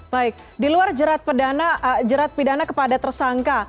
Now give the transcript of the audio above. baik di luar jerat pidana kepada tersangka